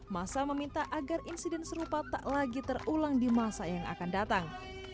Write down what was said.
masa meminta agar insiden serupa tak lagi terulang di masa yang akan datang